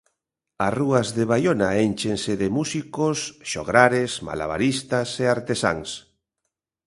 As rúas de Baiona énchense de músicos, xograres, malabaristas e artesáns.